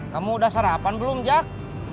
kamu udah sarapan belum jak